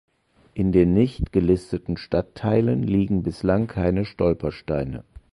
In den nicht gelisteten Stadtteilen liegen bislang keine Stolpersteine.